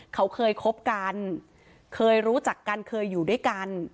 เขาเคยคบกันเคยรู้จักกันเคยอยู่ด้วยกัน